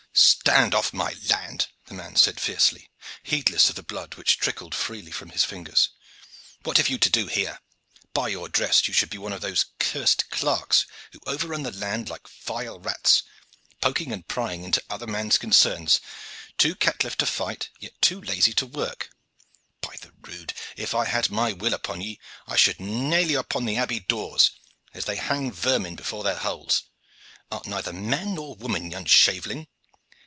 "Stand off my land!" the man said fiercely, heedless of the blood which trickled freely from his fingers. "What have you to do here? By your dress you should be one of those cursed clerks who overrun the land like vile rats, poking and prying into other men's concerns, too caitiff to fight and too lazy to work. By the rood! if I had my will upon ye, I should nail you upon the abbey doors, as they hang vermin before their holes. Art neither man nor woman, young shaveling.